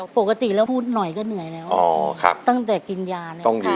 ปกติแล้วพูดหน่อยก็เหนื่อยแล้วตั้งแต่กินยาเนี่ย